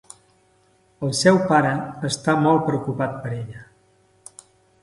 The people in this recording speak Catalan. El seu pare està molt preocupat per ella.